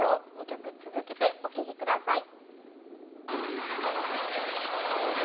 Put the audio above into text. ２曲続けてお聴き下さい。